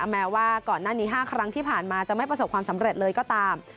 แม้ว่าก่อนหน้านี้๕ครั้งที่ผ่านมาจะไม่ประสบความสำเร็จเลยก็ตาม